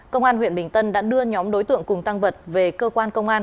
công an huyện bình tân đã đưa nhóm đối tượng cùng tăng vật về cơ quan công an